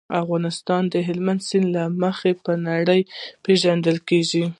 افغانستان د هلمند سیند له مخې په نړۍ پېژندل کېږي.